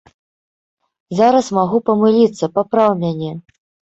Зараз магу памыліцца, папраў мяне.